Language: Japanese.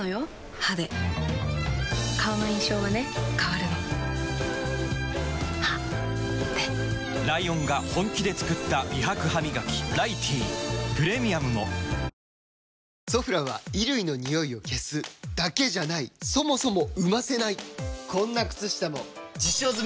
歯で顔の印象はね変わるの歯でライオンが本気で作った美白ハミガキ「ライティー」プレミアムも「ソフラン」は衣類のニオイを消すだけじゃないそもそも生ませないこんな靴下も実証済！